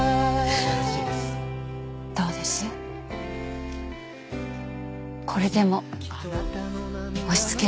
どうです？